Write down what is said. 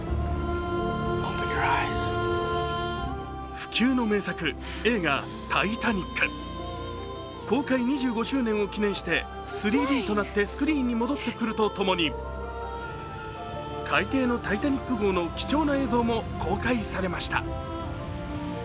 不朽の名作、映画「タイタニック」公開２５周年を記念して３Ｄとなってスクリーンに戻ってくるとともに海底の「タイタニック号」の貴重な映像も公開されました。